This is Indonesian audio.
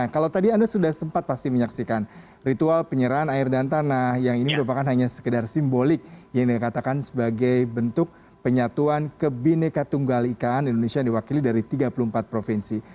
kalau tadi anda sudah sempat pasti menyaksikan ritual penyerahan air dan tanah yang ini merupakan hanya sekedar simbolik yang dikatakan sebagai bentuk penyatuan kebineka tunggal ikan indonesia yang diwakili dari tiga puluh empat provinsi